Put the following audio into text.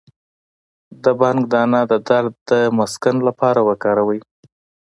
د بنګ دانه د درد د مسکن لپاره وکاروئ